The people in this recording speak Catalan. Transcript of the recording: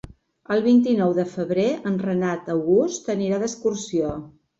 El vint-i-nou de febrer en Renat August anirà d'excursió.